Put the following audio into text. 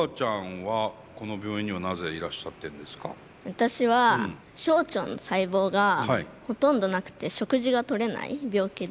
私は小腸の細胞がほとんどなくて食事がとれない病気で。